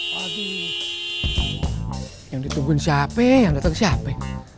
lagi yang ditunggu siapa yang datang siapa